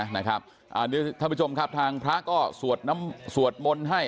ท่านผู้ชมครับทางพระก็สวดมนต์ให้